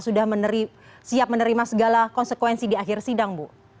sudah siap menerima segala konsekuensi di akhir sidang bu